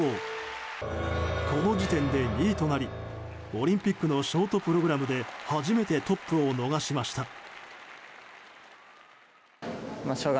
この時点で２位となりオリンピックのショートプログラムで初めてトップを逃しました。